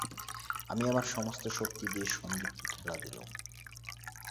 আমি আমার সমস্ত শক্তি নিয়ে সন্দীপকে ঠেলা দিলুম।